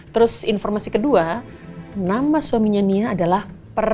terus informasi kedua nama suaminya nia adalah peran